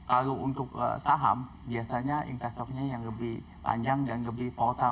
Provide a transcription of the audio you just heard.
kalau untuk saham biasanya investornya yang lebih panjang dan lebih portal